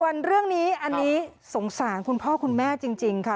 ส่วนเรื่องนี้อันนี้สงสารคุณพ่อคุณแม่จริงค่ะ